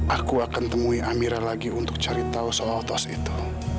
aku akan temui amira lagi untuk cari tahu soal tas itu